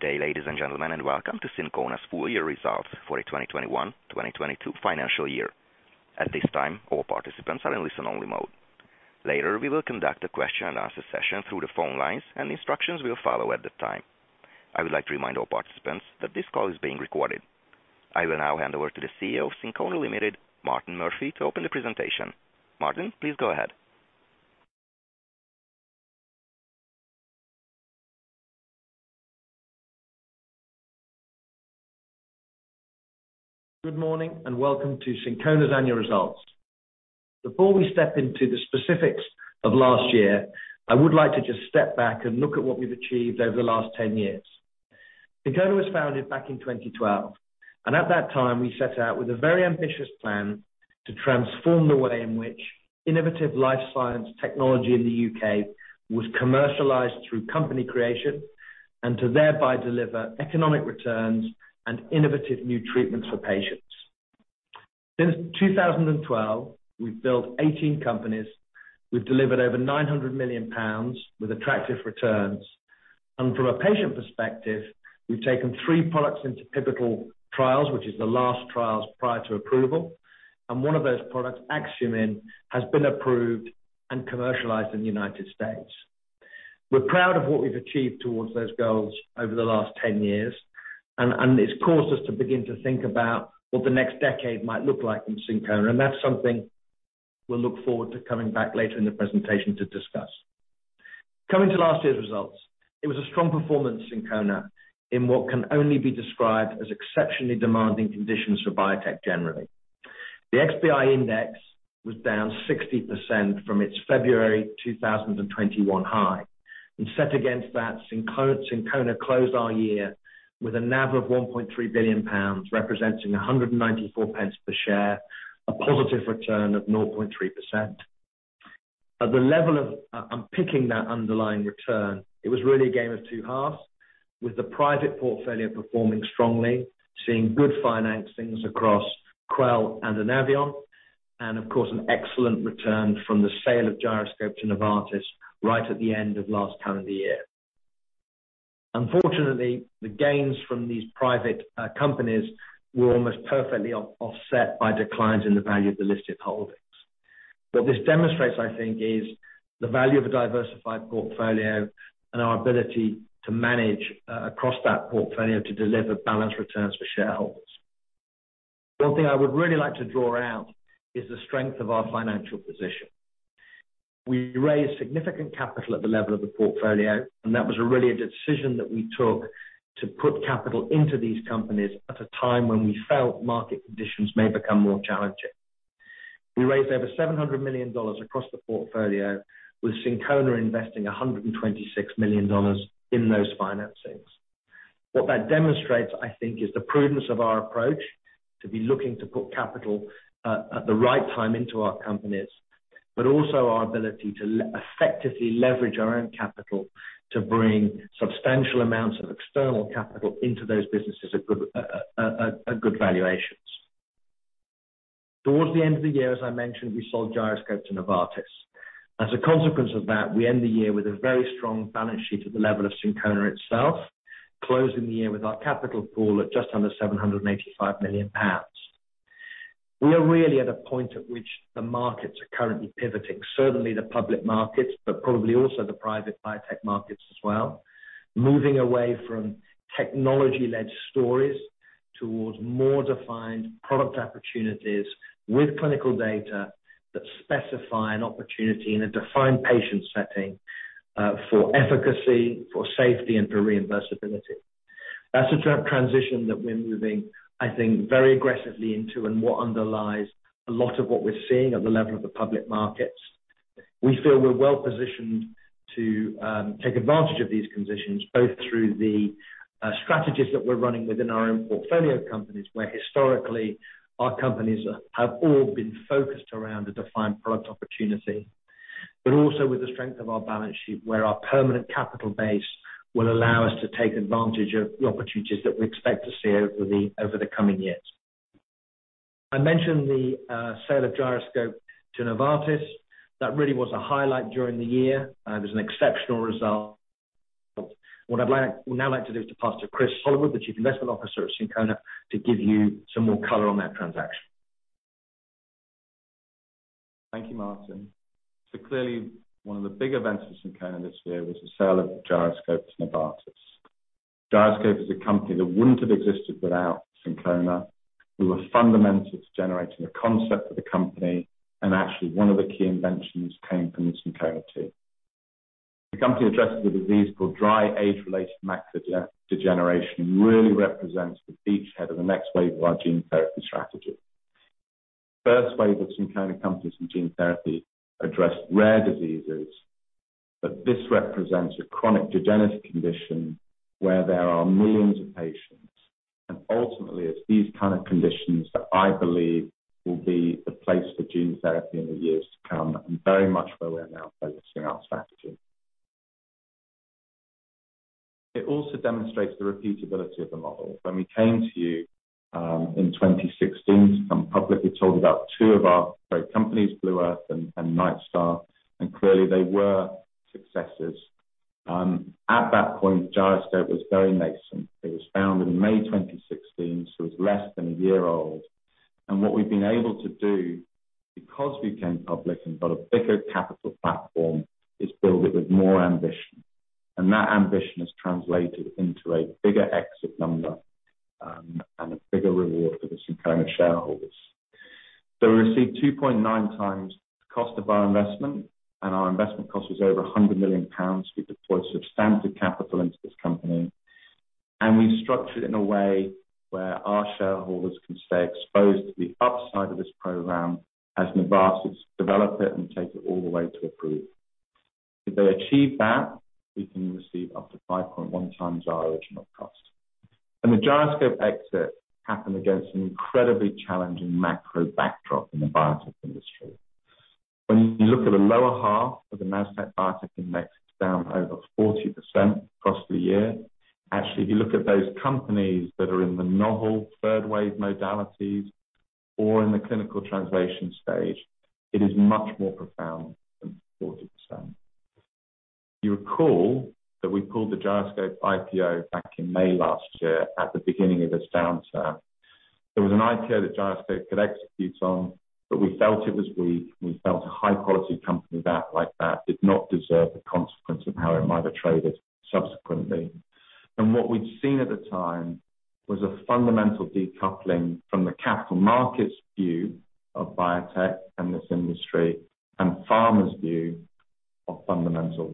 Good day, ladies and gentlemen, and welcome to Syncona's full year results for the 2021-2022 financial year. At this time, all participants are in listen-only mode. Later, we will conduct a question and answer session through the phone lines, and instructions will follow at the time. I would like to remind all participants that this call is being recorded. I will now hand over to the CEO of Syncona Ltd, Martin Murphy, to open the presentation. Martin, please go ahead. Good morning and welcome to Syncona's annual results. Before we step into the specifics of last year, I would like to just step back and look at what we've achieved over the last 10 years. Syncona was founded back in 2012. At that time, we set out with a very ambitious plan to transform the way in which innovative life science technology in the U.K. was commercialized through company creation and to thereby deliver economic returns and innovative new treatments for patients. Since 2012, we've built 18 companies. We've delivered over 900 million pounds with attractive returns. From a patient perspective, we've taken three products into pivotal trials, which is the last trials prior to approval. One of those products, Axumin, has been approved and commercialized in the United States. We're proud of what we've achieved toward those goals over the last 10 years. It's caused us to begin to think about what the next decade might look like in Syncona. That's something we'll look forward to coming back later in the presentation to discuss. Coming to last year's results, it was a strong performance in Syncona in what can only be described as exceptionally demanding conditions for biotech generally. The XBI index was down 60% from its February 2021 high. Set against that, Syncona closed our year with a NAV of 1.3 billion pounds, representing 194 pence per share, a positive return of 0.3%. At the level of unpicking that underlying return, it was really a game of two halves, with the private portfolio performing strongly, seeing good financings across Quell and Anaveon, and of course, an excellent return from the sale of Gyroscope to Novartis right at the end of last calendar year. Unfortunately, the gains from these private companies were almost perfectly offset by declines in the value of the listed holdings. What this demonstrates, I think, is the value of a diversified portfolio and our ability to manage across that portfolio to deliver balanced returns for shareholders. One thing I would really like to draw out is the strength of our financial position. We raised significant capital at the level of the portfolio, and that was really a decision that we took to put capital into these companies at a time when we felt market conditions may become more challenging. We raised over $700 million across the portfolio with Syncona investing $126 million in those financings. What that demonstrates, I think, is the prudence of our approach to be looking to put capital at the right time into our companies, but also our ability to effectively leverage our own capital to bring substantial amounts of external capital into those businesses at good valuations. Towards the end of the year, as I mentioned, we sold Gyroscope to Novartis. As a consequence of that, we end the year with a very strong balance sheet at the level of Syncona itself, closing the year with our capital pool at just under 785 million pounds. We are really at a point at which the markets are currently pivoting, certainly the public markets, but probably also the private biotech markets as well. Moving away from technology-led stories towards more defined product opportunities with clinical data that specify an opportunity in a defined patient setting, for efficacy, for safety, and for reimbursability. That's the transition that we're moving, I think, very aggressively into and what underlies a lot of what we're seeing at the level of the public markets. We feel we're well-positioned to take advantage of these conditions, both through the strategies that we're running within our own portfolio companies, where historically our companies have all been focused around a defined product opportunity. Also with the strength of our balance sheet, where our permanent capital base will allow us to take advantage of the opportunities that we expect to see over the coming years. I mentioned the sale of Gyroscope to Novartis. That really was a highlight during the year. It was an exceptional result. I would now like to pass to Chris Hollowood, the Chief Investment Officer at Syncona, to give you some more color on that transaction. Thank you, Martin. Clearly, one of the big events at Syncona this year was the sale of Gyroscope to Novartis. Gyroscope is a company that wouldn't have existed without Syncona, who were fundamental to generating the concept of the company, and actually one of the key inventions came from the Syncona team. The company addresses a disease called dry age-related macular degeneration, and really represents the beachhead of the next wave of our gene therapy strategy. First wave of Syncona companies in gene therapy address rare diseases, but this represents a chronic degenerative condition where there are millions of patients. Ultimately, it's these kind of conditions that I believe will be the place for gene therapy in the years to come, and very much where we're now focusing our strategy. It also demonstrates the repeatability of the model. When we came to you in 2016 to come public. We told about two of our great companies, Blue Earth and Nightstar, and clearly they were successes. At that point, Gyroscope was very nascent. It was founded in May 2016, so it's less than a year old. What we've been able to do, because we became public and got a bigger capital platform, is build it with more ambition. That ambition has translated into a bigger exit number and a bigger reward for the Syncona shareholders. We received two point nine times the cost of our investment, and our investment cost was over 100 million pounds. We deployed substantial capital into this company, and we structured it in a way where our shareholders can stay exposed to the upside of this program as Novartis develop it and take it all the way to approval. If they achieve that, we can receive up to five point one times our original cost. The Gyroscope exit happened against an incredibly challenging macro backdrop in the biotech industry. When you look at the lower half of the NASDAQ Biotechnology Index, it's down over 40% across the year. Actually, if you look at those companies that are in the novel third wave modalities or in the clinical translation stage, it is much more profound than 40%. You recall that we pulled the Gyroscope IPO back in May last year at the beginning of this downturn. There was an IPO that Gyroscope could execute on, but we felt it was weak. We felt a high-quality company that did not deserve the consequence of how it might have traded subsequently. What we'd seen at the time was a fundamental decoupling from the capital market's view of biotech and this industry and pharma's view of fundamental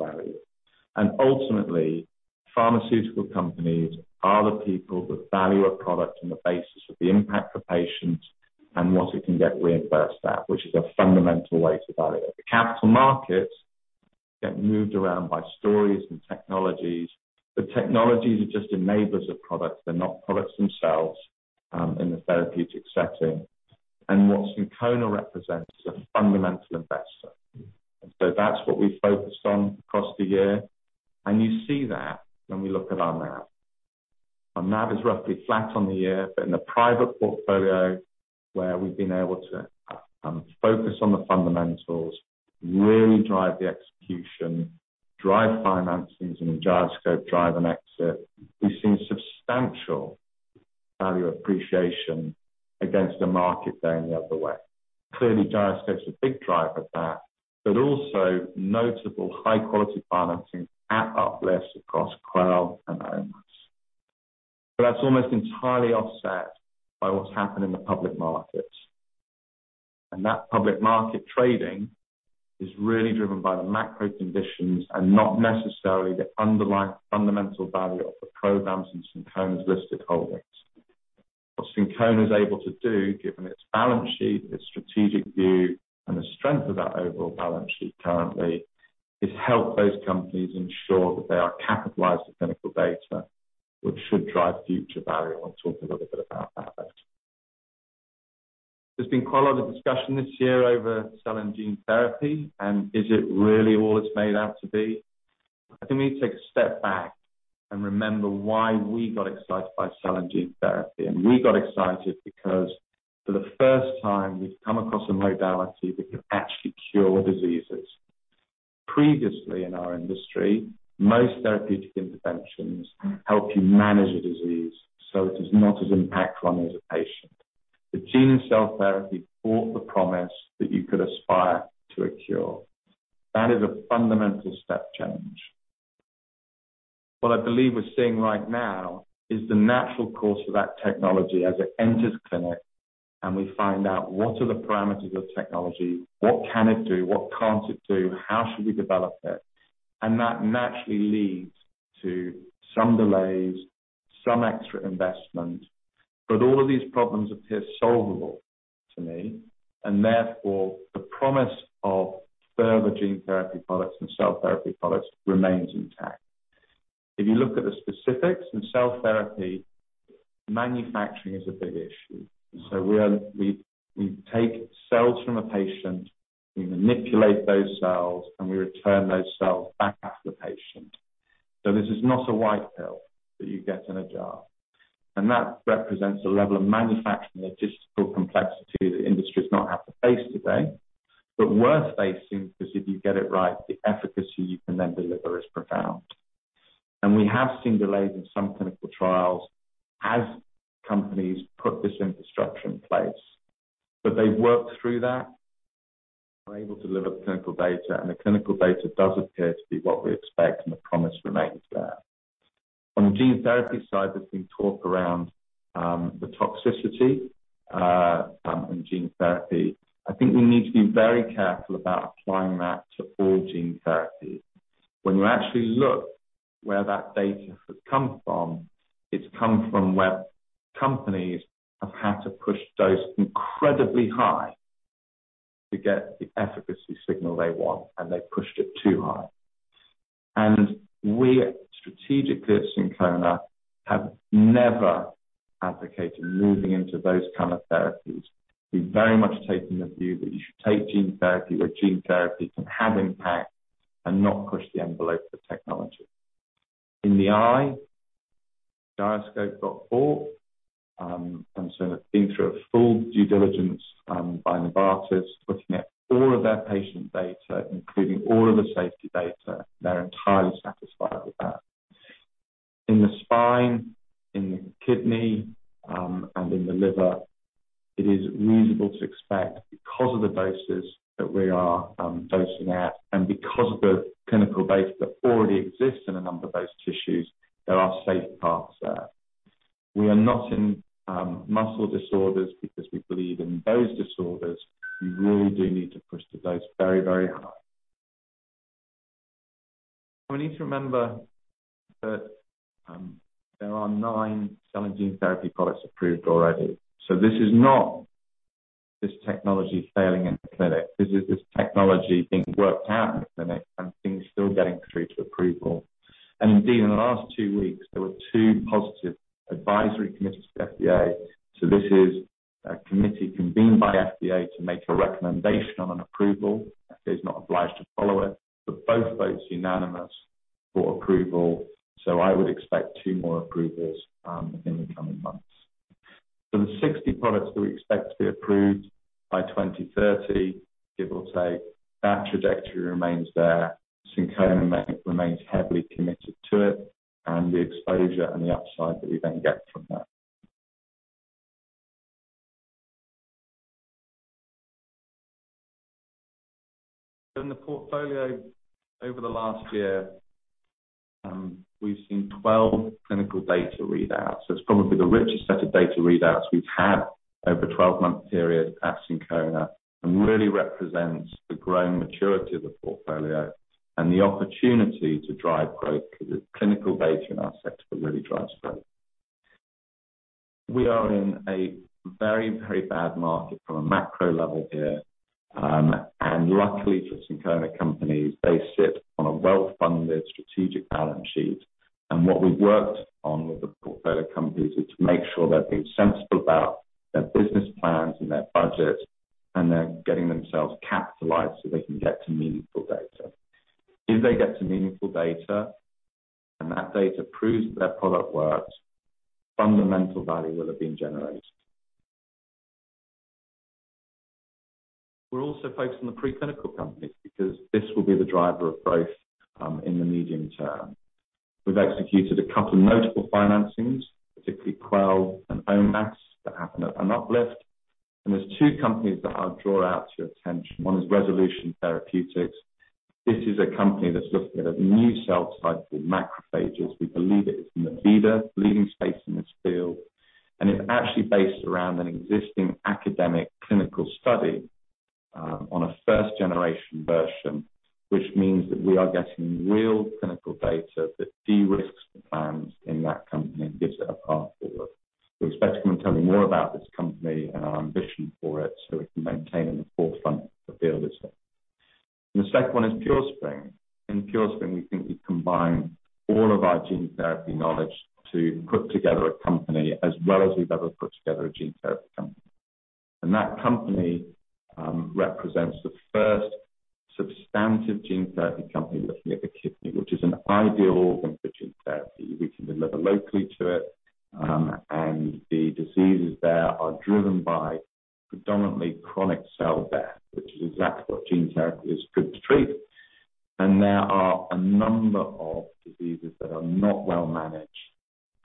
value. Ultimately, pharmaceutical companies are the people that value a product on the basis of the impact for patients and what it can get reimbursed at, which is a fundamental way to value it. The capital markets get moved around by stories and technologies. The technologies are just enablers of products. They're not products themselves in the therapeutic setting. What Syncona represents is a fundamental investor. That's what we focused on across the year. You see that when we look at our NAV. Our NAV is roughly flat on the year, but in the private portfolio where we've been able to focus on the fundamentals, really drive the execution, drive financings in the Gyroscope drive and exit. We've seen substantial value appreciation against a market going the other way. Clearly, Gyroscope's a big driver of that, but also notable high-quality financing at uplifts across Quell and OMass. That's almost entirely offset by what's happened in the public markets. That public market trading is really driven by the macro conditions and not necessarily the underlying fundamental value of the programs in Syncona's listed holdings. What Syncona is able to do, given its balance sheet, its strategic view, and the strength of that overall balance sheet currently, is help those companies ensure that they are capitalized with clinical data, which should drive future value. I want to talk a little bit about that later. There's been quite a lot of discussion this year over cell and gene therapy and is it really all it's made out to be? I think we need to take a step back and remember why we got excited by cell and gene therapy. We got excited because for the first time we've come across a modality that could actually cure diseases. Previously in our industry, most therapeutic interventions help you manage a disease, so it does not impact long as a patient. The gene and cell therapy brought the promise that you could aspire to a cure. That is a fundamental step change. What I believe we're seeing right now is the natural course of that technology as it enters clinic and we find out what are the parameters of technology, what can it do, what can't it do, how should we develop it? That naturally leads to some delays, some extra investment. All of these problems appear solvable to me, and therefore the promise of further gene therapy products and cell therapy products remains intact. If you look at the specifics in cell therapy, manufacturing is a big issue. We take cells from a patient, we manipulate those cells, and we return those cells back to the patient. This is not a white pill that you get in a jar. That represents a level of manufacturing and logistical complexity the industry has not had to face today. Worth facing because if you get it right, the efficacy you can then deliver is profound. We have seen delays in some clinical trials as companies put this infrastructure in place. They've worked through that, are able to deliver the clinical data, and the clinical data does appear to be what we expect and the promise remains there. On the gene therapy side, there's been talk around the toxicity in gene therapy. I think we need to be very careful about applying that to all gene therapy. When you actually look where that data has come from, it's come from where companies have had to push dose incredibly high to get the efficacy signal they want, and they've pushed it too high. We strategically at Syncona have never advocated moving into those kind of therapies. We've very much taken the view that you should take gene therapy where gene therapy can have impact and not push the envelope for technology. In the eye, Gyroscope got bought, and so have been through a full due diligence, by Novartis, looking at all of their patient data, including all of the safety data. They're entirely satisfied with that. In the spine, in the kidney, and in the liver, it is reasonable to expect, because of the doses that we are, dosing at, and because of the clinical base that already exists in a number of those tissues, there are safe paths there. We are not in, muscle disorders because we believe in those disorders, we really do need to push the dose very, very high. We need to remember that, there are nine cell and gene therapy products approved already. This is not this technology failing in the clinic. This is this technology being worked out in the clinic and things still getting through to approval. Indeed, in the last two weeks, there were two positive Advisory Committees to the FDA. This is a committee convened by FDA to make a recommendation on an approval. FDA is not obliged to follow it, but both votes unanimous for approval. I would expect two more approvals in the coming months. For the 60 products that we expect to be approved by 2030, people say that trajectory remains there. Syncona remains heavily committed to it and the exposure and the upside that we then get from that. In the portfolio over the last year, we've seen 12 clinical data readouts. It's probably the richest set of data readouts we've had over a 12-month period at Syncona and really represents the growing maturity of the portfolio and the opportunity to drive growth because it's clinical data in our sector that really drives growth. We are in a very, very bad market from a macro level here, and luckily for Syncona companies, they sit on a well-funded strategic balance sheet. What we've worked on with the portfolio companies is to make sure they're being sensible about their business plans and their budget, and they're getting themselves capitalized so they can get to meaningful data. If they get to meaningful data, and that data proves that their product works, fundamental value will have been generated. We're also focused on the pre-clinical companies because this will be the driver of growth in the medium term. We've executed a couple of notable financings, particularly Quell and OMass that happened at an uplift. There's two companies that I'll draw to your attention. One is Resolution Therapeutics. This is a company that's looking at a new cell type called macrophages. We believe it is in the leading space in this field. It's actually based around an existing academic clinical study on a first-generation version, which means that we are getting real clinical data that de-risks the platform in that company and gives it a path forward. We expect to come and tell you more about this company and our ambition for it so we can maintain in the forefront of the field itself. The second one is Purespring. In Purespring, we think we've combined all of our gene therapy knowledge to put together a company as well as we've ever put together a gene therapy company. That company represents the first substantive gene therapy company looking at the kidney, which is an ideal organ for gene therapy. We can deliver locally to it, and the diseases there are driven by predominantly chronic cell death, which is exactly what gene therapy is good to treat. There are a number of diseases that are not well managed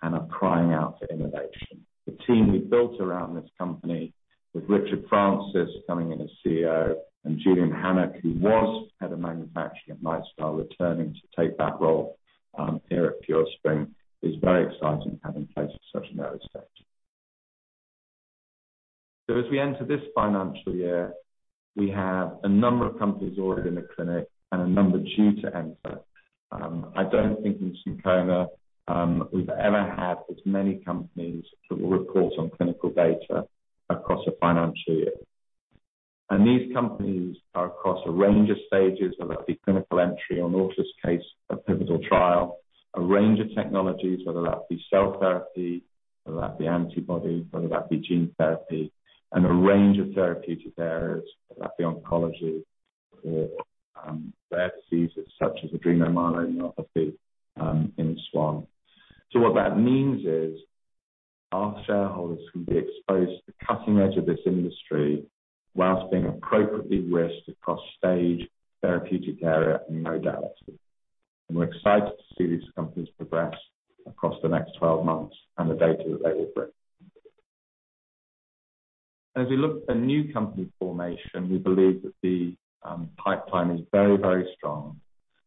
and are crying out for innovation. The team we've built around this company with Richard Francis coming in as CEO and Julian Hanak, who was head of manufacturing at Nightstar, returning to take that role, here at Purespring, is very exciting to have in place at such an early stage. As we enter this financial year, we have a number of companies already in the clinic and a number due to enter. I don't think in Syncona, we've ever had as many companies that will report on clinical data across a financial year. These companies are across a range of stages, whether that be clinical entry or in Autolus's case, a pivotal trial. A range of technologies, whether that be cell therapy, whether that be antibody, whether that be gene therapy, and a range of therapeutic areas, whether that be oncology or, rare diseases such as adrenomyeloneuropathy, in SwanBio. What that means is our shareholders can be exposed to the cutting edge of this industry while being appropriately risked across stage, therapeutic area, and modality. We're excited to see these companies progress across the next 12 months and the data that they will bring. As we look at the new company formation, we believe that the pipeline is very, very strong.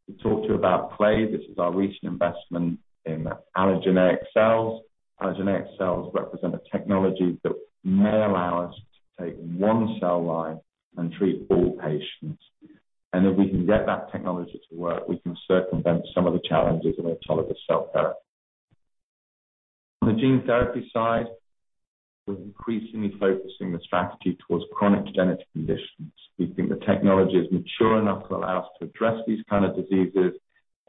We talked to you about Clade. This is our recent investment in allogeneic cells. Allogeneic cells represent a technology that may allow us to take one cell line and treat all patients. If we can get that technology to work, we can circumvent some of the challenges of autologous cell therapy. On the gene therapy side, we're increasingly focusing the strategy towards chronic genetic conditions. We think the technology is mature enough to allow us to address these kind of diseases,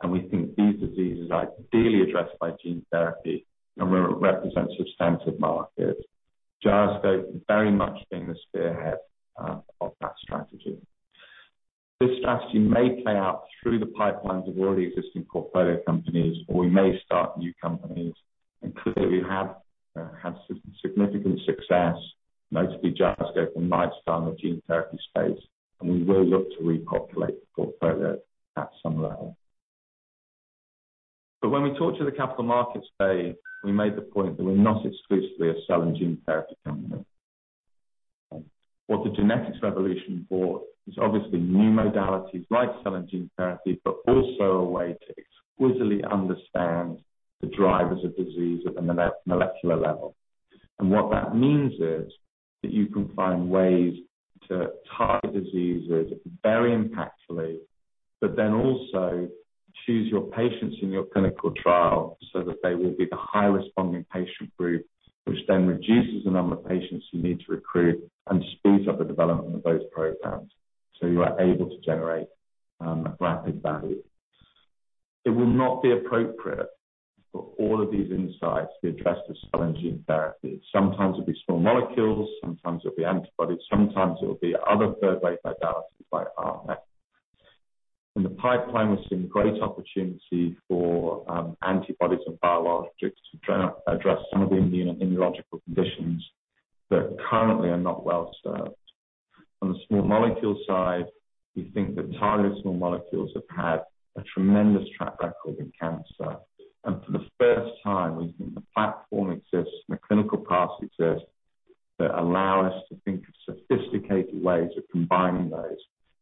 and we think these diseases are ideally addressed by gene therapy and represent substantive markets. Gyroscope very much being the spearhead of that strategy. This strategy may play out through the pipelines of already existing portfolio companies, or we may start new companies. Clearly we have had significant success, mostly Gyroscope and Nightstar in the gene therapy space, and we will look to repopulate the portfolio at some level. When we talk to the capital markets today, we made the point that we're not exclusively a cell and gene therapy company. What the genetics revolution brought is obviously new modalities like cell and gene therapy, but also a way to exquisitely understand the drivers of disease at the molecular level. What that means is that you can find ways to target diseases very impactfully, but then also choose your patients in your clinical trial so that they will be the high responding patient group, which then reduces the number of patients you need to recruit and speeds up the development of those programs, so you are able to generate rapid value. It will not be appropriate for all of these insights to be addressed as cell and gene therapy. Sometimes it'll be small molecules, sometimes it'll be antibodies, sometimes it'll be other third life modalities like RNA. In the pipeline, we're seeing great opportunity for antibodies and biologics to try and address some of the immunological conditions that currently are not well-served. On the small molecule side, we think that targeted small molecules have had a tremendous track record in cancer. For the first time, we think the platform exists and the clinical paths exist that allow us to think of sophisticated ways of combining those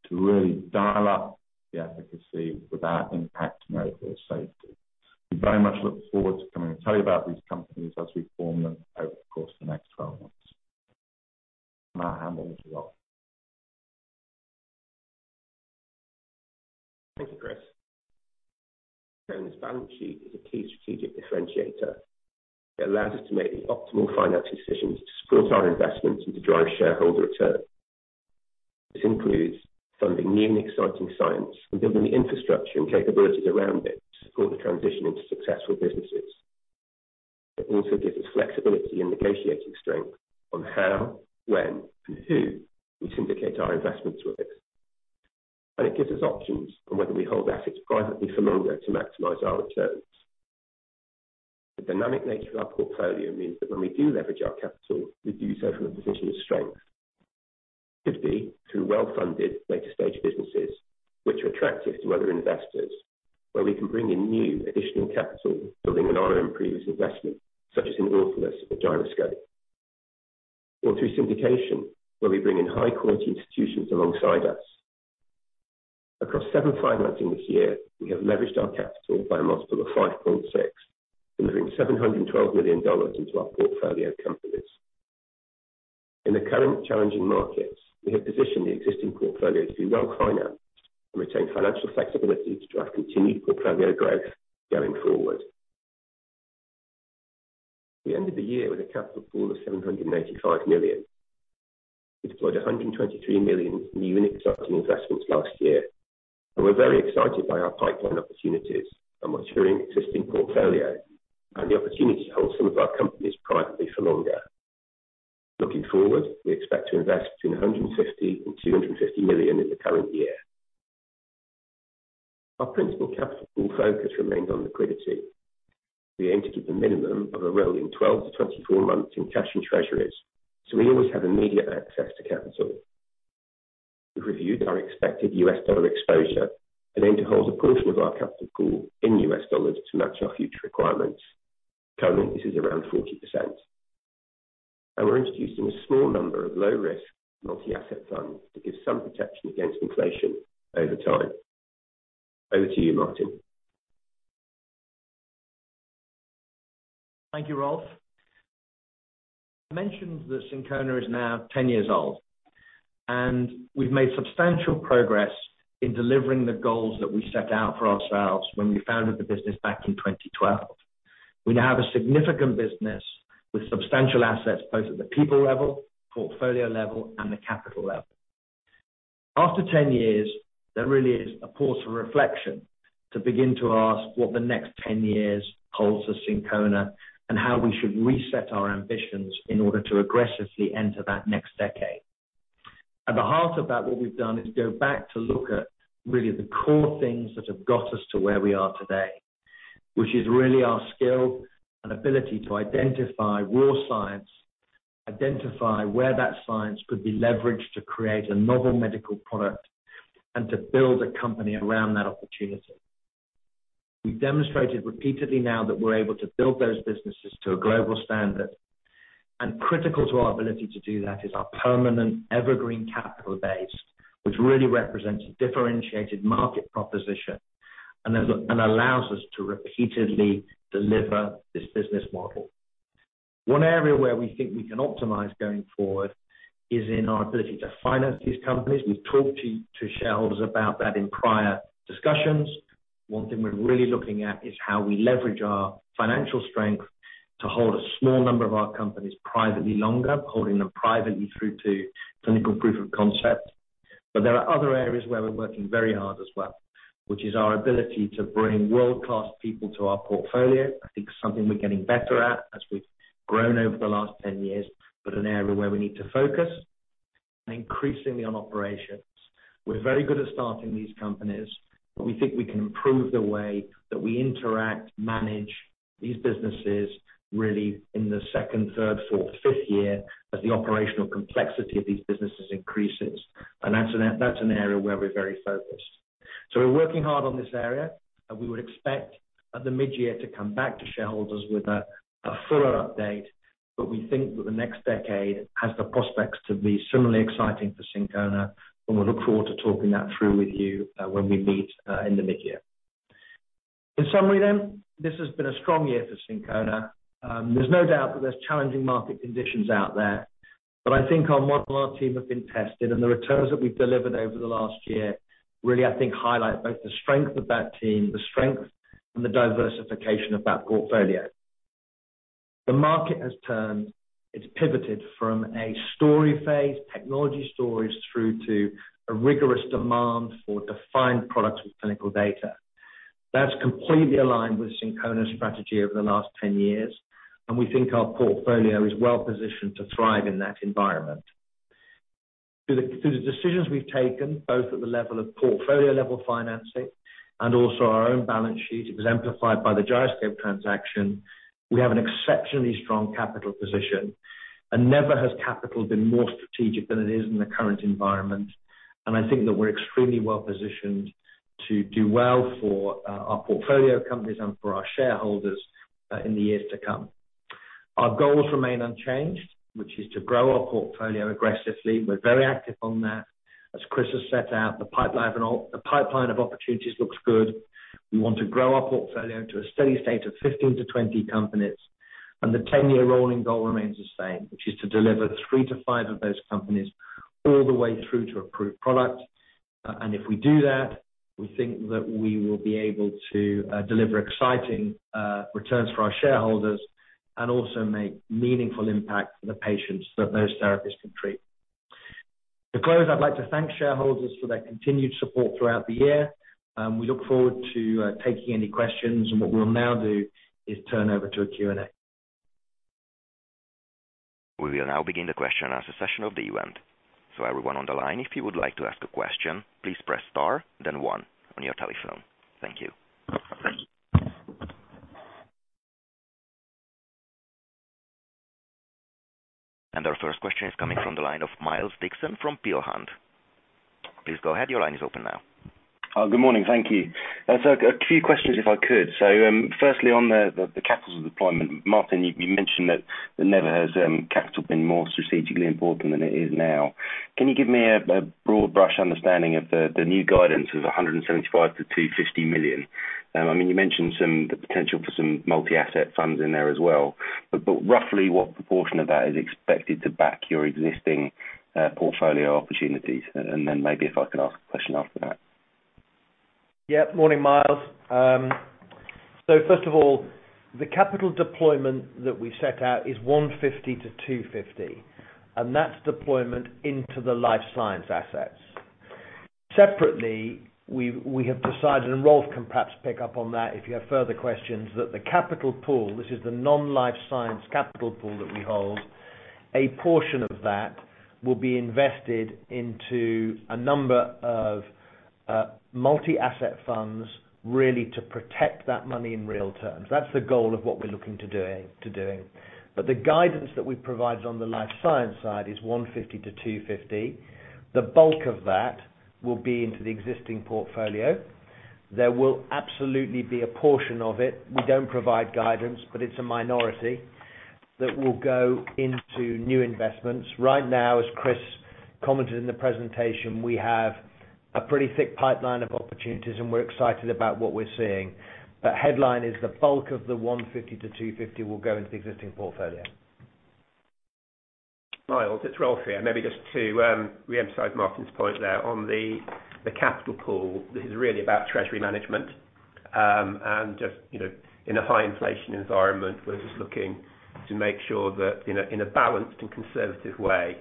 to really dial up the efficacy without impacting overall safety. We very much look forward to coming to tell you about these companies as we form them over the course of the next twelve months. Now I hand over to Rolf. Thank you, Chris. This balance sheet is a key strategic differentiator. It allows us to make the optimal financial decisions to support our investments and to drive shareholder return. This includes funding new and exciting science and building the infrastructure and capabilities around it to support the transition into successful businesses. It also gives us flexibility and negotiating strength on how, when, and who we syndicate our investments with. It gives us options on whether we hold assets privately for longer to maximize our returns. The dynamic nature of our portfolio means that when we do leverage our capital, we do so from a position of strength, typically through well-funded later-stage businesses, which are attractive to other investors, where we can bring in new additional capital, building on our own previous investment, such as in Orphanless or Gyroscope, or through syndication, where we bring in high-quality institutions alongside us. Across seven financings this year, we have leveraged our capital by a multiple of 5.6x, delivering $712 million into our portfolio companies. In the current challenging markets, we have positioned the existing portfolio to be well-financed and retain financial flexibility to drive continued portfolio growth going forward. We ended the year with a capital pool of 785 million. We deployed 123 million in new and exciting investments last year, and we're very excited by our pipeline opportunities and maturing existing portfolio and the opportunity to hold some of our companies privately for longer. Looking forward, we expect to invest between 160 million and 250 million in the current year. Our principal capital focus remains on liquidity. We aim to keep a minimum of a rolling 12-24 months in cash and treasuries, so we always have immediate access to capital. We've reviewed our expected U.S. dollar exposure and aim to hold a portion of our capital pool in U.S. dollars to match our future requirements. Currently, this is around 40%. We're introducing a small number of low-risk multi-asset funds to give some protection against inflation over time. Over to you, Martin. Thank you, Rolf. I mentioned that Syncona is now 10 years old, and we've made substantial progress in delivering the goals that we set out for ourselves when we founded the business back in 2012. We now have a significant business with substantial assets both at the people level, portfolio level, and the capital level. After 10 years, there really is a pause for reflection to begin to ask what the next 10 years holds for Syncona and how we should reset our ambitions in order to aggressively enter that next decade. At the heart of that, what we've done is go back to look at really the core things that have got us to where we are today. Which is really our skill and ability to identify raw science, identify where that science could be leveraged to create a novel medical product, and to build a company around that opportunity. We've demonstrated repeatedly now that we're able to build those businesses to a global standard, and critical to our ability to do that is our permanent evergreen capital base, which really represents a differentiated market proposition and allows us to repeatedly deliver this business model. One area where we think we can optimize going forward is in our ability to finance these companies. We've talked to shareholders about that in prior discussions. One thing we're really looking at is how we leverage our financial strength to hold a small number of our companies privately longer, holding them privately through to clinical proof of concept. There are other areas where we're working very hard as well, which is our ability to bring world-class people to our portfolio. I think something we're getting better at as we've grown over the last 10 years, but an area where we need to focus. Increasingly on operations. We're very good at starting these companies, but we think we can improve the way that we interact, manage these businesses really in the second, third, fourth, fifth year as the operational complexity of these businesses increases. That's an area where we're very focused. We're working hard on this area, and we would expect at the mid-year to come back to shareholders with a fuller update. We think that the next decade has the prospects to be similarly exciting for Syncona, and we look forward to talking that through with you when we meet in the mid-year. In summary, this has been a strong year for Syncona. There's no doubt that there's challenging market conditions out there, but I think our model and our team have been tested, and the returns that we've delivered over the last year really, I think, highlight both the strength of that team, the strength and the diversification of that portfolio. The market has turned. It's pivoted from a story phase, technology stories, through to a rigorous demand for defined products with clinical data. That's completely aligned with Syncona's strategy over the last 10 years, and we think our portfolio is well-positioned to thrive in that environment. Through the decisions we've taken, both at the level of portfolio-level financing and also our own balance sheet, it was amplified by the Gyroscope transaction. We have an exceptionally strong capital position, and never has capital been more strategic than it is in the current environment. I think that we're extremely well-positioned to do well for our portfolio companies and for our shareholders in the years to come. Our goals remain unchanged, which is to grow our portfolio aggressively. We're very active on that. As Chris has set out, the pipeline of opportunities looks good. We want to grow our portfolio to a steady state of 15-20 companies, and the ten-year rolling goal remains the same, which is to deliver three to five of those companies all the way through to approved product. If we do that, we think that we will be able to deliver exciting returns for our shareholders and also make meaningful impact for the patients that those therapies can treat. To close, I'd like to thank shareholders for their continued support throughout the year. We look forward to taking any questions. What we'll now do is turn over to a Q&A. We will now begin the question-and-answer session of the event. Everyone on the line, if you would like to ask a question, please press star then one on your telephone. Thank you. Thank you. Our first question is coming from the line of Miles Dixon from Peel Hunt. Please go ahead. Your line is open now. Good morning. Thank you. A few questions, if I could. Firstly, on the capital deployment, Martin, you mentioned that never has capital been more strategically important than it is now. Can you give me a broad brush understanding of the new guidance of 175 million-250 million? I mean, you mentioned the potential for some multi-asset funds in there as well. Roughly what proportion of that is expected to back your existing portfolio opportunities? Then maybe if I could ask a question after that. Yeah. Morning, Myles. So first of all, the capital deployment that we set out is 150-250, and that's deployment into the life science assets. Separately, we have decided, and Rolf can perhaps pick up on that, if you have further questions, that the capital pool, which is the non-life science capital pool that we hold, a portion of that will be invested into a number of multi-asset funds, really to protect that money in real terms. That's the goal of what we're looking to doing. The guidance that we provided on the life science side is 150-250. The bulk of that will be into the existing portfolio. There will absolutely be a portion of it. We don't provide guidance, but it's a minority that will go into new investments. Right now, as Chris commented in the presentation, we have a pretty thick pipeline of opportunities, and we're excited about what we're seeing. Headline is the bulk of the 150-250 will go into the existing portfolio. Miles, it's Rolf here. Maybe just to reemphasize Martin's point there on the capital pool. This is really about treasury management, and just, you know, in a high inflation environment, we're just looking to make sure that in a balanced and conservative way,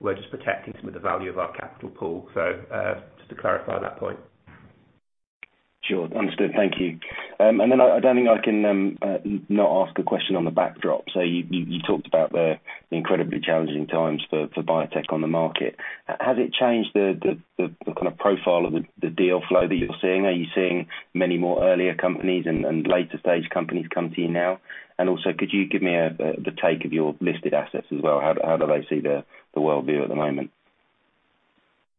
we're just protecting some of the value of our capital pool. Just to clarify that point. Sure. Understood. Thank you. Then I don't think I can not ask a question on the backdrop. You talked about the incredibly challenging times for biotech on the market. Has it changed the kind of profile of the deal flow that you're seeing? Are you seeing many more earlier companies and later stage companies come to you now? Also, could you give me the take of your listed assets as well? How do they see the world view at the moment?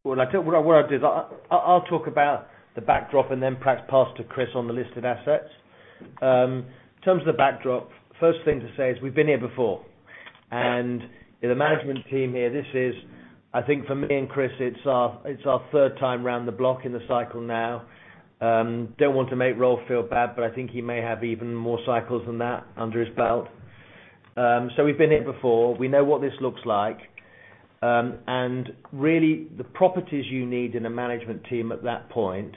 What I'll do is I'll talk about the backdrop and then perhaps pass to Chris on the list of assets. In terms of the backdrop, first thing to say is we've been here before. The management team here, this is, I think, for me and Chris, it's our third time round the block in the cycle now. Don't want to make Rolf feel bad, but I think he may have even more cycles than that under his belt. We've been here before. We know what this looks like. Really the properties you need in a management team at that point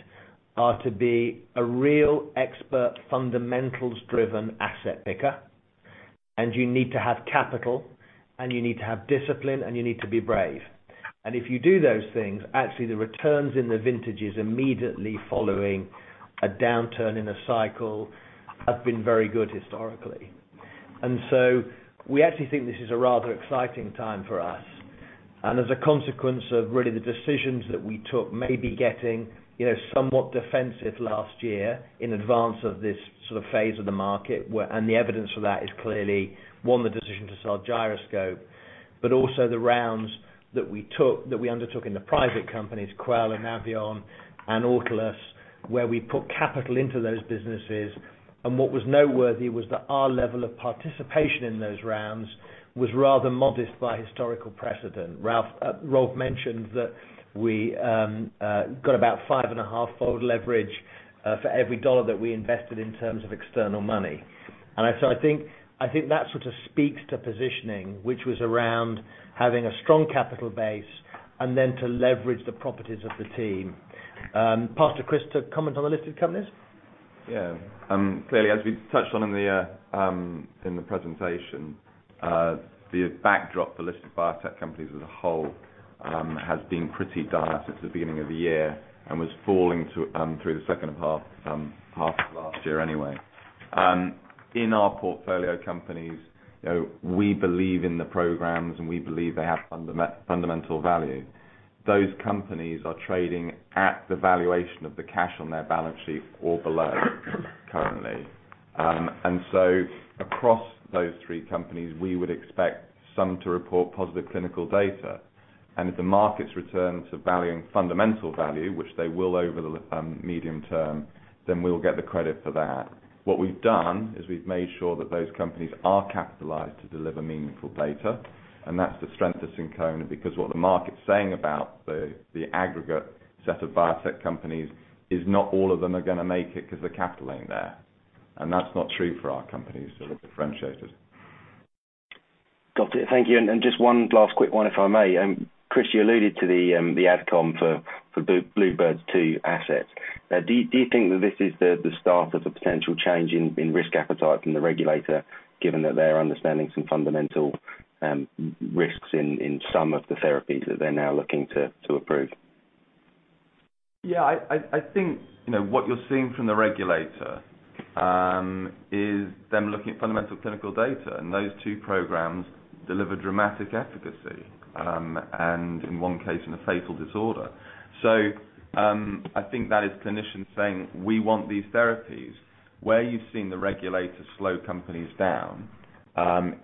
are to be a real expert, fundamentals-driven asset picker. You need to have capital, and you need to have discipline, and you need to be brave. If you do those things, actually the returns in the vintages immediately following a downturn in a cycle have been very good historically. We actually think this is a rather exciting time for us. As a consequence of really the decisions that we took maybe getting, you know, somewhat defensive last year in advance of this sort of phase of the market, and the evidence for that is clearly, one, the decision to sell Gyroscope, but also the rounds that we undertook in the private companies, Quell, Anaveon, and Autolus, where we put capital into those businesses. What was noteworthy was that our level of participation in those rounds was rather modest by historical precedent. Rolf mentioned that we got about five and half-fold leverage for every $1 that we invested in terms of external money. I think that sort of speaks to positioning, which was around having a strong capital base and then to leverage the properties of the team. Pass to Chris to comment on the listed companies. Yeah. Clearly, as we touched on in the presentation, the backdrop for listed biotech companies as a whole has been pretty dire since the beginning of the year and was falling through the second half of last year anyway. In our portfolio companies, you know, we believe in the programs, and we believe they have fundamental value. Those companies are trading at the valuation of the cash on their balance sheet or below currently. Across those three companies, we would expect some to report positive clinical data. If the markets return to valuing fundamental value, which they will over the medium term, then we'll get the credit for that. What we've done is we've made sure that those companies are capitalized to deliver meaningful data, and that's the strength of Syncona, because what the market's saying about the aggregate set of biotech companies is not all of them are gonna make it because the capital ain't there. That's not true for our companies. We're differentiated. Got it. Thank you. Just one last quick one, if I may. Chris, you alluded to the AdCom for bluebird bio's two assets. Now, do you think that this is the start of a potential change in risk appetite from the regulator, given that they're understanding some fundamental risks in some of the therapies that they're now looking to approve? Yeah, I think, you know, what you're seeing from the regulator is them looking at fundamental clinical data, and those two programs deliver dramatic efficacy, and in one case in a fatal disorder. I think that is clinicians saying, "We want these therapies." Where you've seen the regulators slow companies down,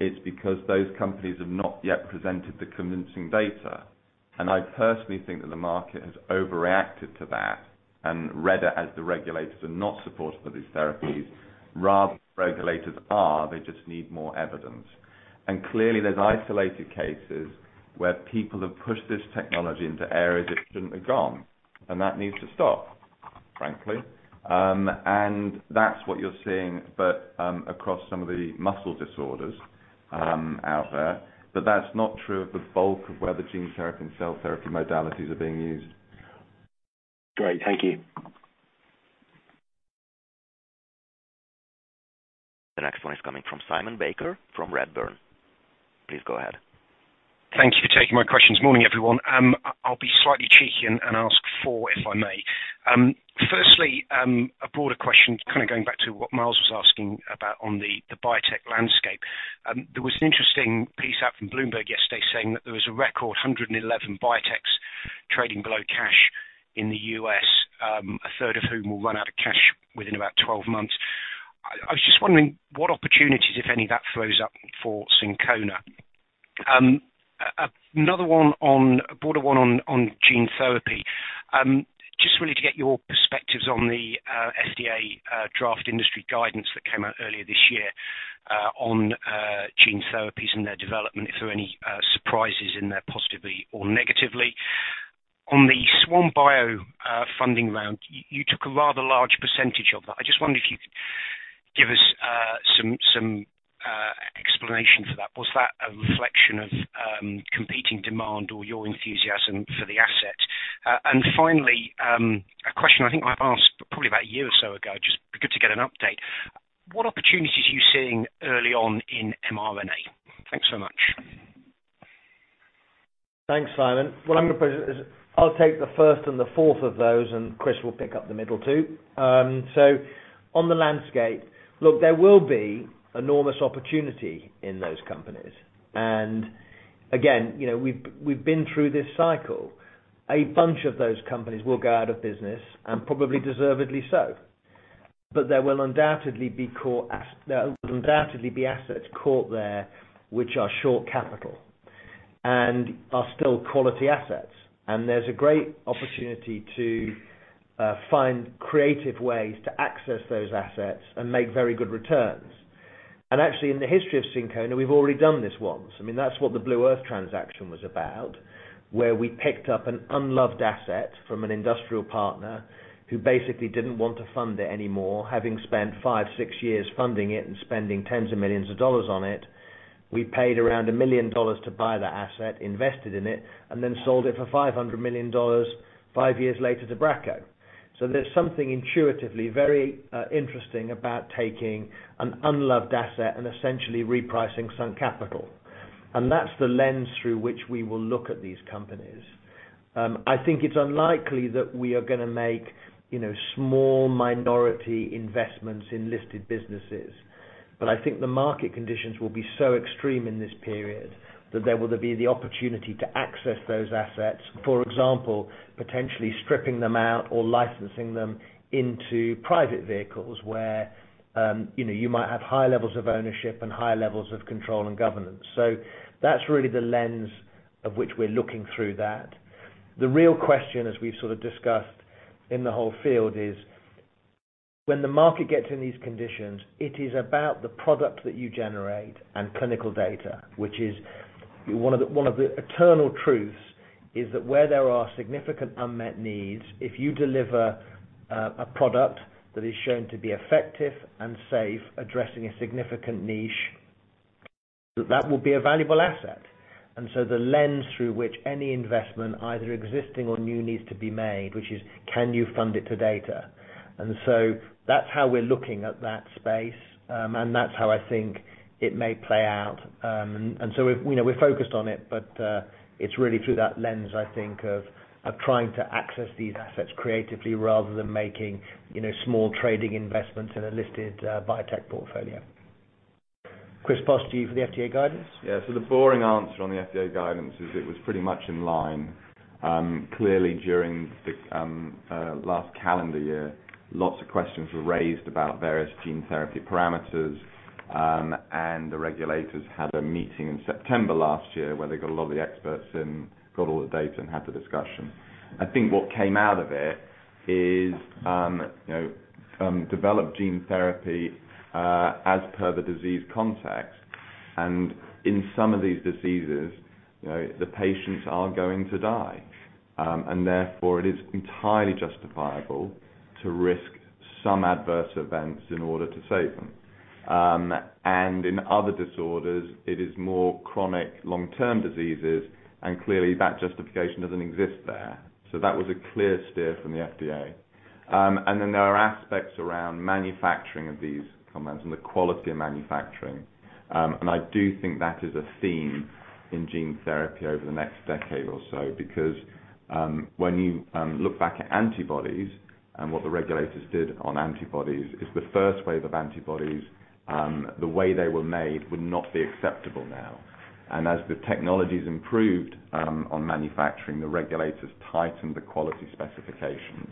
it's because those companies have not yet presented the convincing data. I personally think that the market has overreacted to that and read it as the regulators are not supportive of these therapies rather than regulators are, they just need more evidence. Clearly, there's isolated cases where people have pushed this technology into areas it shouldn't have gone, and that needs to stop, frankly. That's what you're seeing, but across some of the muscle disorders out there. That's not true of the bulk of where the gene therapy and cell therapy modalities are being used. Great. Thank you. The next one is coming from Simon Baker from Redburn. Please go ahead. Thank you for taking my questions. Morning, everyone. I'll be slightly cheeky and ask four, if I may. Firstly, a broader question, kind of going back to what Miles was asking about on the biotech landscape. There was an interesting piece out from Bloomberg yesterday saying that there was a record 111 biotechs trading below cash in the U.S., a third of whom will run out of cash within about 12 months. I was just wondering what opportunities, if any, that throws up for Syncona. A broader one on gene therapy. Just really to get your perspectives on the FDA draft industry guidance that came out earlier this year, on gene therapies and their development, if there were any surprises in there, positively or negatively. On the SwanBio Therapeutics funding round, you took a rather large percentage of that. I just wondered if you could give us some explanation for that. Was that a reflection of competing demand or your enthusiasm for the asset? Finally, a question I think I've asked probably about a year or so ago, just be good to get an update. What opportunities are you seeing early on in mRNA? Thanks so much. Thanks, Simon. What I'm gonna present is I'll take the first and the fourth of those, and Chris will pick up the middle two. On the landscape, look, there will be enormous opportunity in those companies. Again, you know, we've been through this cycle. A bunch of those companies will go out of business and probably deservedly so. There will undoubtedly be assets caught there which are short of capital and are still quality assets. There's a great opportunity to find creative ways to access those assets and make very good returns. Actually, in the history of Syncona, we've already done this once. I mean, that's what the Blue Earth transaction was about, where we picked up an unloved asset from an industrial partner who basically didn't want to fund it anymore, having spent five, six years funding it and spending tens of millions of dollars on it. We paid around $1 million to buy the asset, invested in it, and then sold it for $500 million five years later to Bracco. There's something intuitively very interesting about taking an unloved asset and essentially repricing some capital. That's the lens through which we will look at these companies. I think it's unlikely that we are gonna make, you know, small minority investments in listed businesses. I think the market conditions will be so extreme in this period that there will be the opportunity to access those assets, for example, potentially stripping them out or licensing them into private vehicles where, you know, you might have high levels of ownership and high levels of control and governance. That's really the lens of which we're looking through that. The real question, as we've sort of discussed in the whole field, is when the market gets in these conditions, it is about the product that you generate and clinical data, which is one of the eternal truths, is that where there are significant unmet needs, if you deliver a product that is shown to be effective and safe, addressing a significant niche, that will be a valuable asset. The lens through which any investment, either existing or new, needs to be made, which is, can you fund it to data? That's how we're looking at that space. That's how I think it may play out. We're focused on it, but it's really through that lens, I think, of trying to access these assets creatively rather than making, you know, small trading investments in a listed biotech portfolio. Chris, across to you for the FDA guidance. Yeah. The boring answer on the FDA guidance is it was pretty much in line. Clearly during the last calendar year, lots of questions were raised about various gene therapy parameters. The regulators had a meeting in September last year where they got a lot of the experts in, got all the data, and had the discussion. I think what came out of it is, you know, develop gene therapy as per the disease context. In some of these diseases, you know, the patients are going to die. Therefore it is entirely justifiable to risk some adverse events in order to save them. In other disorders, it is more chronic long-term diseases, and clearly that justification doesn't exist there. That was a clear steer from the FDA. There are aspects around manufacturing of these compounds and the quality of manufacturing. I do think that is a theme in gene therapy over the next decade or so, because when you look back at antibodies and what the regulators did on antibodies, is the first wave of antibodies the way they were made would not be acceptable now. As the technology's improved on manufacturing, the regulators tightened the quality specifications.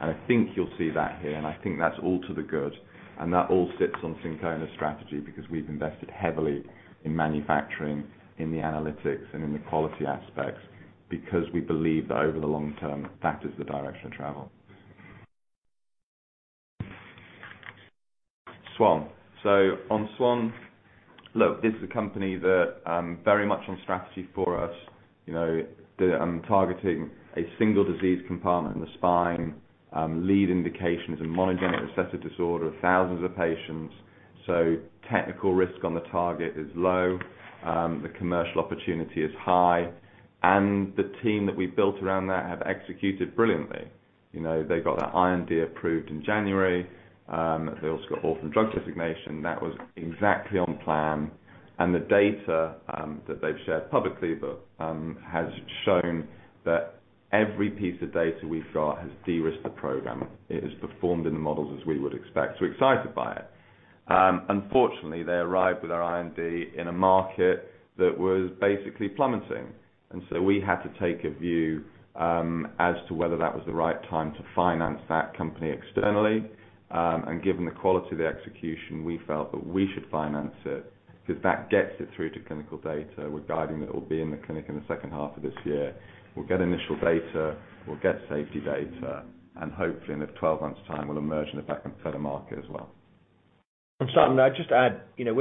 I think you'll see that here, and I think that's all to the good, and that all sits on Syncona's strategy because we've invested heavily in manufacturing, in the analytics, and in the quality aspects because we believe that over the long term, that is the direction of travel. Swan. On Swan, look, this is a company that very much on strategy for us. You know, they're targeting a single disease compartment in the spine, lead indications in monogenic recessive disorder, thousands of patients. Technical risk on the target is low. The commercial opportunity is high. The team that we've built around that have executed brilliantly. You know, they got that IND approved in January, they also got Orphan Drug Designation. That was exactly on plan. The data that they've shared publicly has shown that every piece of data we've got has de-risked the program. It has performed in the models as we would expect. We're excited by it. Unfortunately, they arrived with our IND in a market that was basically plummeting. We had to take a view as to whether that was the right time to finance that company externally. Given the quality of the execution, we felt that we should finance it 'cause that gets it through to clinical data. We're guiding that it'll be in the clinic in the second half of this year. We'll get initial data, we'll get safety data, and hopefully in 12 months' time, we'll emerge in a better market as well. Simon, can I just add, you know,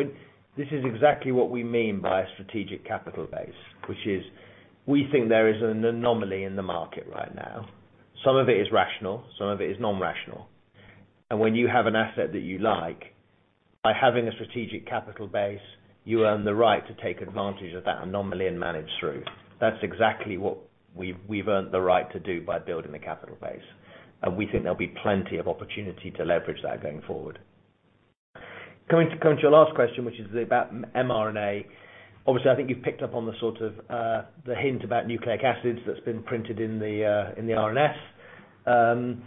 this is exactly what we mean by a strategic capital base. Which is we think there is an anomaly in the market right now. Some of it is rational, some of it is non-rational. When you have an asset that you like, by having a strategic capital base, you earn the right to take advantage of that anomaly and manage through. That's exactly what we've earned the right to do by building the capital base. We think there'll be plenty of opportunity to leverage that going forward. Coming to your last question, which is about mRNA. Obviously, I think you've picked up on the sort of, the hint about nucleic acids that's been printed in the, in the RNS.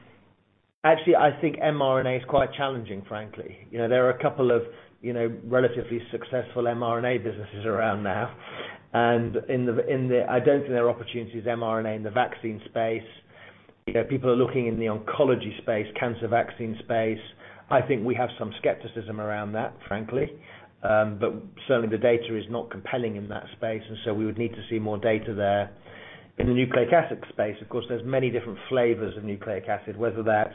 Actually, I think mRNA is quite challenging, frankly. You know, there are a couple of, you know, relatively successful mRNA businesses around now. I don't think there are opportunities in mRNA in the vaccine space. You know, people are looking in the oncology space, cancer vaccine space. I think we have some skepticism around that, frankly. Certainly the data is not compelling in that space, and so we would need to see more data there. In the nucleic acid space, of course, there's many different flavors of nucleic acid, whether that's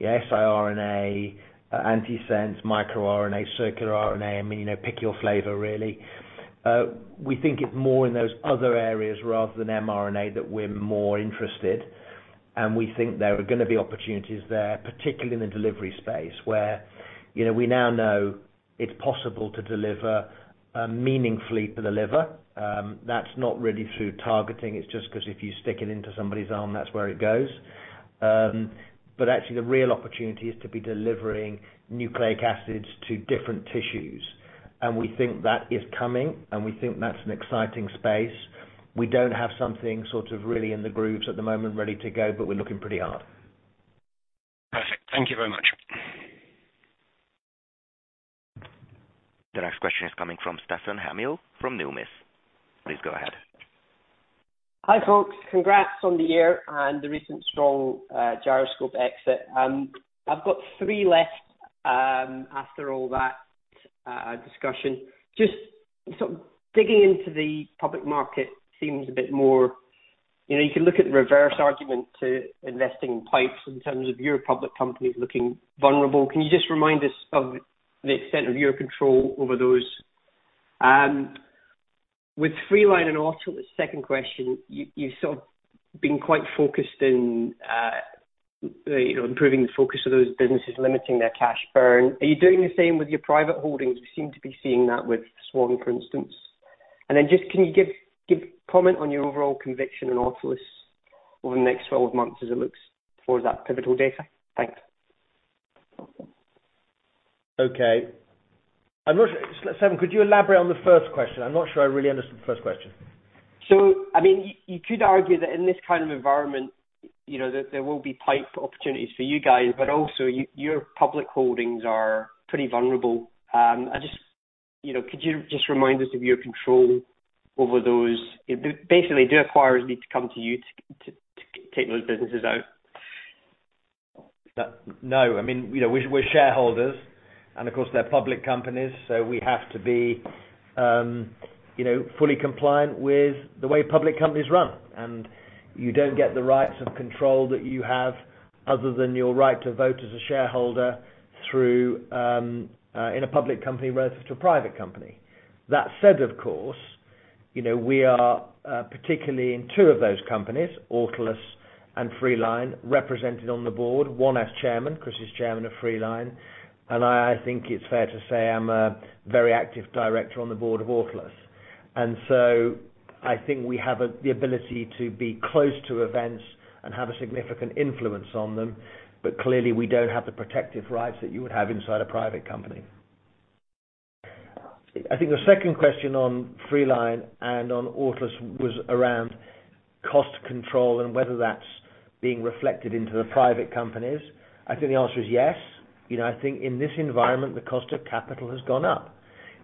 the siRNA, antisense, microRNA, circular RNA. I mean, you know, pick your flavor really. We think it's more in those other areas rather than mRNA that we're more interested. We think there are gonna be opportunities there, particularly in the delivery space where, you know, we now know it's possible to deliver meaningfully for the liver. That's not really through targeting, it's just 'cause if you stick it into somebody's arm, that's where it goes. But actually the real opportunity is to be delivering nucleic acids to different tissues. We think that is coming, and we think that's an exciting space. We don't have something sort of really in the grooves at the moment ready to go, but we're looking pretty hard. Perfect. Thank you very much. The next question is coming from Stefan Hamill from Numis. Please go ahead. Hi, folks. Congrats on the year and the recent strong Gyroscope exit. I've got three left, after all that discussion. Just sort of digging into the public market seems a bit more. You know, you can look at the reverse argument to investing in PIPEs in terms of your public companies looking vulnerable. Can you just remind us of the extent of your control over those? With Freeline and Autolus, second question, you've sort of been quite focused in, you know, improving the focus of those businesses, limiting their cash burn. Are you doing the same with your private holdings? We seem to be seeing that with Swan, for instance. Just, can you give comment on your overall conviction in Autolus over the next 12 months as it looks for that pivotal data? Thanks. Okay. Stefan, could you elaborate on the first question? I'm not sure I really understood the first question. I mean, you could argue that in this kind of environment, you know, there will be PIPE opportunities for you guys, but also your public holdings are pretty vulnerable. I just, you know, could you just remind us of your control over those? Basically, do acquirers need to come to you to take those businesses out? No, I mean, you know, we're shareholders, and of course, they're public companies, so we have to be, you know, fully compliant with the way public companies run. You don't get the rights of control that you have other than your right to vote as a shareholder through in a public company rather than to a private company. That said, of course, you know, we are particularly in two of those companies, Autolus and Freeline, represented on the board, one as chairman. Chris is chairman of Freeline, and I think it's fair to say I'm a very active director on the board of Autolus. I think we have the ability to be close to events and have a significant influence on them. Clearly, we don't have the protective rights that you would have inside a private company. I think the second question on Freeline and on Autolus was around cost control and whether that's being reflected into the private companies. I think the answer is yes. You know, I think in this environment, the cost of capital has gone up.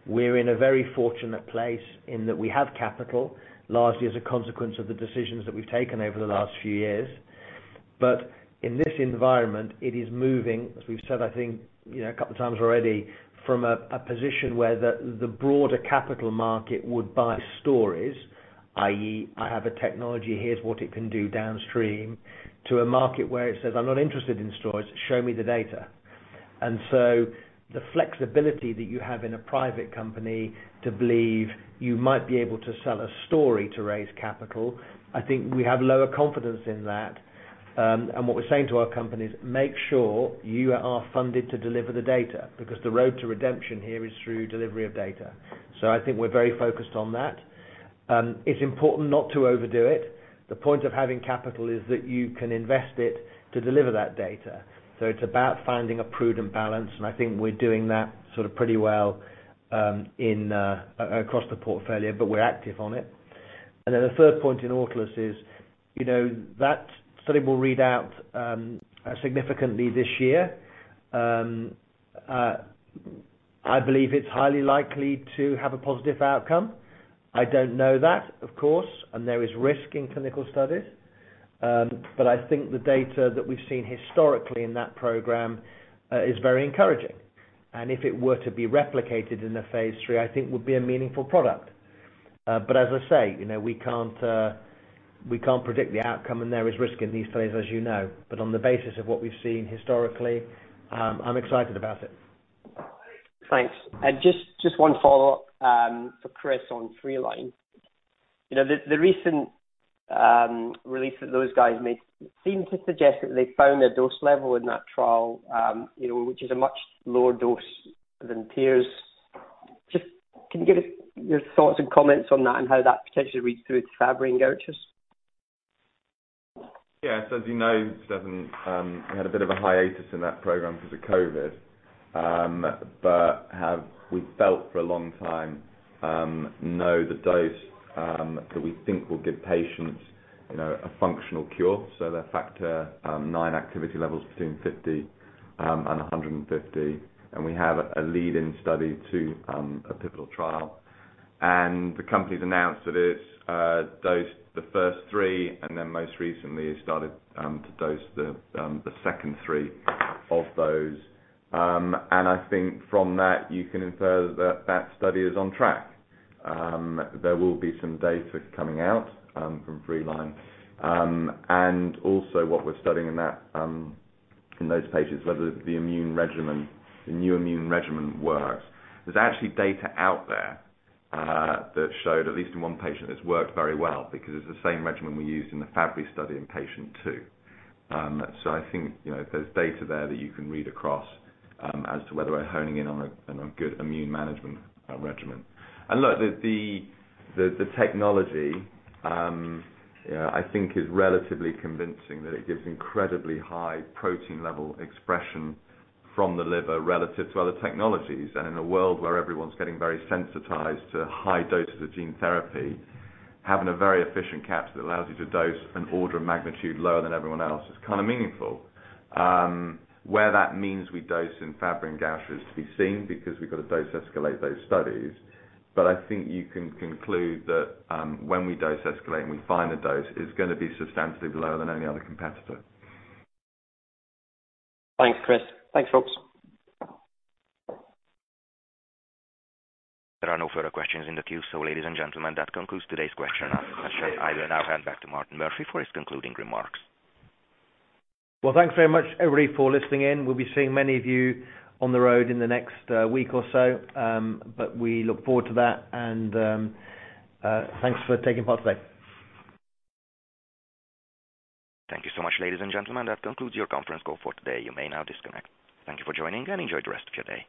We're in a very fortunate place in that we have capital, largely as a consequence of the decisions that we've taken over the last few years. In this environment, it is moving, as we've said, I think, you know, a couple of times already from a position where the broader capital market would buy stories, i.e., I have a technology, here's what it can do downstream, to a market where it says, "I'm not interested in stories. Show me the data." The flexibility that you have in a private company to believe you might be able to sell a story to raise capital, I think we have lower confidence in that. What we're saying to our companies, make sure you are funded to deliver the data because the road to redemption here is through delivery of data. I think we're very focused on that. It's important not to overdo it. The point of having capital is that you can invest it to deliver that data. It's about finding a prudent balance, and I think we're doing that sort of pretty well across the portfolio, but we're active on it. The third point in Autolus is, you know, that study will read out significantly this year. I believe it's highly likely to have a positive outcome. I don't know that, of course, and there is risk in clinical studies. I think the data that we've seen historically in that program is very encouraging. If it were to be replicated in a phase III, I think would be a meaningful product. As I say, you know, we can't predict the outcome, and there is risk in these studies, as you know. On the basis of what we've seen historically, I'm excited about it. Thanks. Just one follow-up for Chris on Freeline. You know, the recent release that those guys made seemed to suggest that they found a dose level in that trial, you know, which is a much lower dose than peers. Just can you give us your thoughts and comments on that and how that potentially reads through to Fabry and Gaucher’s? Yes. As you know, Stefan, we had a bit of a hiatus in that program because of COVID. We felt for a long time we know the dose that we think will give patients, you know, a functional cure. So their factor nine activity levels between 50 and 150, and we have a lead-in study to a pivotal trial. The company's announced that it's dosed the first three, and then most recently it started to dose the second three of those. I think from that you can infer that that study is on track. There will be some data coming out from Freeline. Also what we're studying in that, in those patients, whether the immune regimen, the new immune regimen works. There's actually data out there that showed at least in one patient, it's worked very well because it's the same regimen we used in the Fabry study in patient two. So I think, you know, there's data there that you can read across as to whether we're honing in on a good immune management regimen. Look, the technology I think is relatively convincing that it gives incredibly high protein-level expression from the liver relative to other technologies. In a world where everyone's getting very sensitized to high doses of gene therapy, having a very efficient capture that allows you to dose an order of magnitude lower than everyone else is kinda meaningful. Where that means we dose in Fabry and Gaucher is to be seen because we've got to dose escalate those studies. I think you can conclude that, when we dose escalate and we find a dose, it's gonna be substantially lower than any other competitor. Thanks, Chris. Thanks, folks. There are no further questions in the queue. Ladies and gentlemen, that concludes today's question and answer. I will now hand back to Martin Murphy for his concluding remarks. Well, thanks very much everybody for listening in. We'll be seeing many of you on the road in the next week or so. We look forward to that and thanks for taking part today. Thank you so much, ladies and gentlemen. That concludes your conference call for today. You may now disconnect. Thank you for joining, and enjoy the rest of your day.